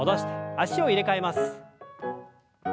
脚を入れ替えます。